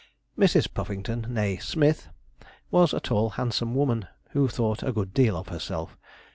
Mrs. Puffington, née Smith, was a tall handsome woman, who thought a good deal of herself.